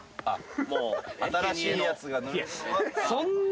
あっもう新しいやつが。